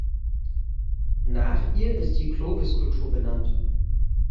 Nach ihr ist die Clovis-Kultur benannt.